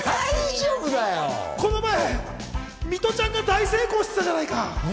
この前、ミトちゃんが大成功してたじゃないか。